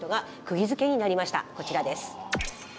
こちらです。